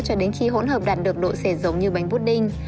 cho đến khi hỗn hợp đạt được độ xẻ giống như bánh bút đinh